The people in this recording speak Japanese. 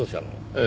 ええ。